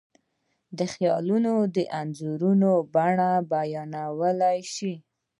دا خیالونه د انځورونو په بڼه بیانولی شو.